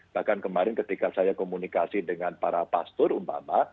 bahkan kemarin ketika saya komunikasi dengan para pastor umpama